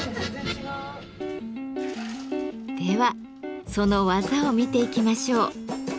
ではその技を見ていきましょう。